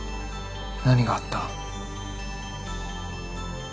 何があった？